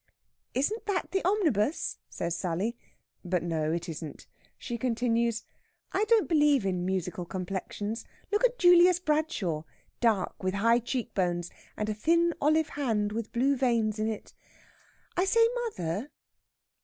"Isn't that the omnibus?" says Sally. But, no, it isn't. She continues: "I don't believe in musical complexions. Look at Julius Bradshaw dark, with high cheek bones, and a thin olive hand with blue veins in it. I say, mother...."